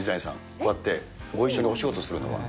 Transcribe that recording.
こうやってご一緒にお仕事するのは。